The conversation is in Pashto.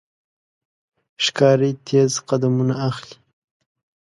ښکاري تیز قدمونه اخلي.